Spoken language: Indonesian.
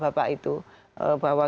bahwa kita punya spesifiknya